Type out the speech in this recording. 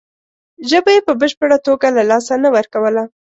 ژبه یې په بشپړه توګه له لاسه نه ورکوله.